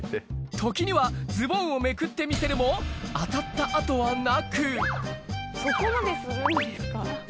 時にはズボンをめくってみせるも当たった痕はなくそこまでするんですか。